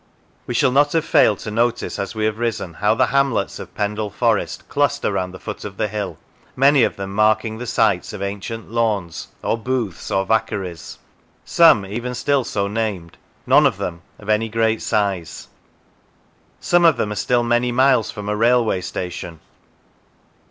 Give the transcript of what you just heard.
We shall not have failed to notice, as we have risen, how the hamlets of Pendle Forest cluster round the foot of the hill, many of them marking the sites of ancient launds, or booths, or vaccaries, some even still so named, none of them of any great size. Some of them are still many miles from a railway station.